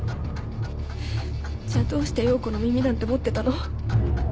じゃあどうして葉子の耳なんて持ってたの？